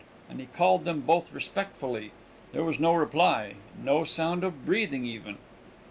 And he called them both respectfully. There was no reply; no sound of breathing, even.